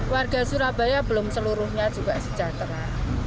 warga surabaya belum seluruhnya juga sejahtera